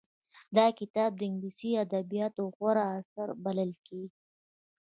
دا کتاب د انګليسي ادبياتو غوره اثر بلل کېږي.